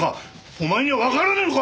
お前にはわからないのか！